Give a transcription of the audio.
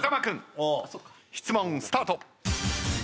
君質問スタート。